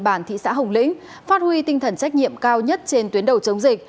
bàn thị xã hồng lĩnh phát huy tinh thần trách nhiệm cao nhất trên tuyến đầu chống dịch